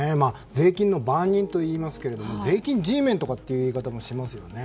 税金の番人といいますけども税金Ｇメンといういい方もしたりしますよね。